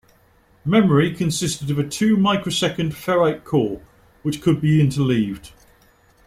Memory consisted of a two-microsecond ferrite core, which could be interleaved.